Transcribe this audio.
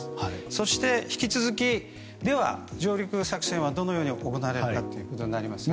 そして、引き続き上陸作戦はどう行われるかということになりますが。